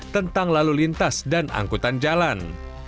tentang lalu lintas dan angkutan jalan